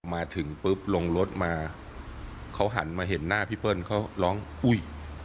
มาถึงปุ๊บลงรถมาเขาหันมาเห็นหน้าพี่เปิ้ลเขาร้องอุ้ย